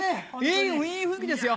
いい雰囲気ですよ。